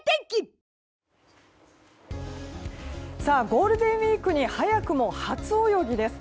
ゴールデンウィークに早くも初泳ぎです。